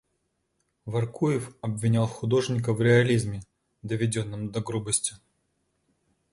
Воркуев обвинял художника в реализме, доведенном до грубости.